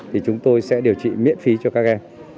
thì chúng tôi sẽ điều trị miễn phí cho các em